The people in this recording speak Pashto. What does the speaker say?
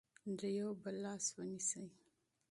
د یو بل لاس ونیسئ.